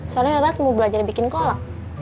soalnya adalah mau belajar bikin kolak